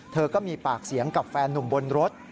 เธอก็มีปากเสียงกับแฟนนุ่มบนรถ